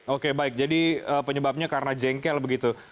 oke baik jadi penyebabnya karena jengkel begitu